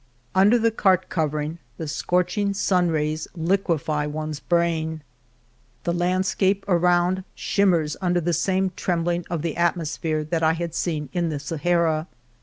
Under the cart covering the scorching sun rays liquefy one's brain ; the Ii6 .•i.i.H 'W K 5 El Toboso landscape around shimmers under the same trembling of the atmosphere that I had seen in the Sahara.